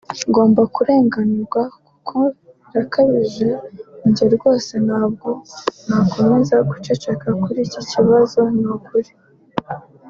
ngomba kurenganurwa kuko birakabije njye rwose ntabwo nakomeza guceceka kuri iki kibazo ni ukuri